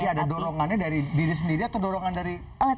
jadi ada dorongannya dari diri sendiri atau dorongan dari orang orang sekitar